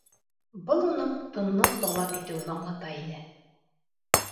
Был уның тынлыҡ талап итеүен аңлата ине.